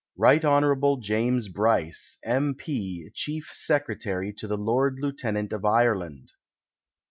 Rt. Hon. James Bryce, M. P., Chief Secretary to the Lord Lieutenant of Ireland.